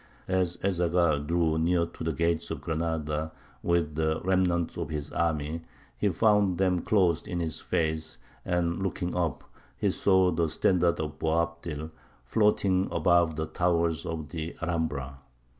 As Ez Zaghal drew near to the gates of Granada with the remnant of his army, he found them closed in his face, and looking up he saw the standard of Boabdil floating above the towers of the Alhambra.